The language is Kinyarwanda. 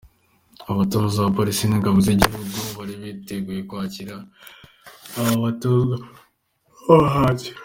Abatoza, abapolice n’ingabo z'igihugu bari biteguye kwakira aba batozwa b’abahanzi.